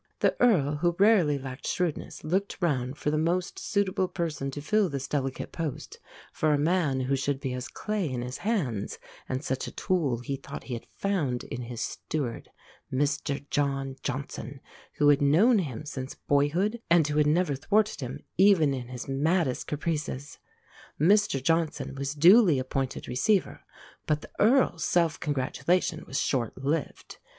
The Earl, who rarely lacked shrewdness, looked round for the most suitable person to fill this delicate post for a man who should be as clay in his hands; and such a "tool" he thought he had found in his steward, Mr John Johnson, who had known him since boyhood, and who had never thwarted him even in his maddest caprices. Mr Johnson was duly appointed receiver; but the Earl's self congratulation was short lived.